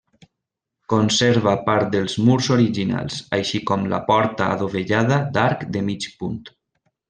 Conserva part dels murs originals així com la porta adovellada d'arc de mig punt.